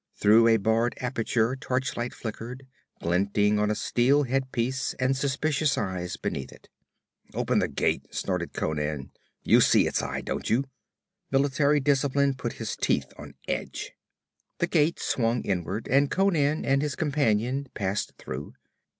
Through a barred aperture torchlight flickered, glinting on a steel head piece and suspicious eyes beneath it. 'Open the gate,' snorted Conan. 'You see it's I, don't you?' Military discipline put his teeth on edge. The gate swung inward and Conan and his companion passed through.